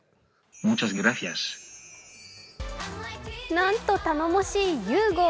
なんと頼もしいｕｇｏ。